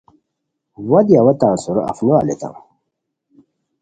وا دی ا وا تان سورو اف نو الیتام